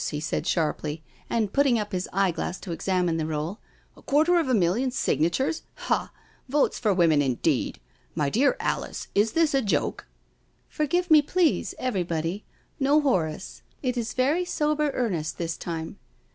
he said sharply, and putting up his eye glass to examine the roll. " A quarter of a million signatures? Hal Votes for Women^ indeed I ... My dear Alice, is this a joke?" " Forgive me, please — everybody. No, Horace, it is 238 NO SURRENDER very sober earnest this time.